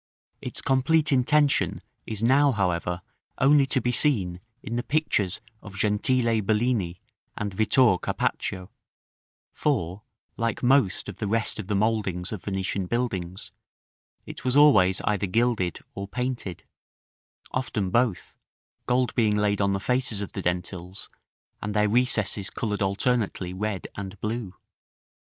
Its complete intention is now, however, only to be seen in the pictures of Gentile Bellini and Vittor Carpaccio; for, like most of the rest of the mouldings of Venetian buildings, it was always either gilded or painted often both, gold being laid on the faces of the dentils, and their recesses colored alternately red and blue.